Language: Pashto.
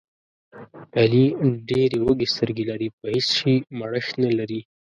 علي ډېرې وږې سترګې لري، په هېڅ شي مړښت نه لري.